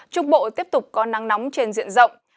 trung bộ tiếp tục có nắng nóng trên diện rộng